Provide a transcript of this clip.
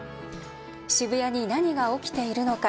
渋谷に何が起きているのか。